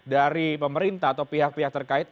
dari pemerintah atau pihak pihak terkait